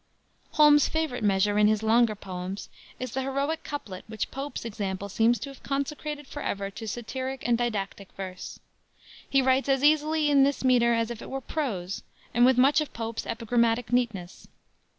_ Holmes's favorite measure, in his longer poems, is the heroic couplet which Pope's example seems to have consecrated forever to satiric and didactic verse. He writes as easily in this meter as if it were prose, and with much of Pope's epigrammatic neatness.